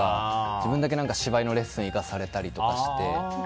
自分だけ芝居のレッスン行かされたりとかして。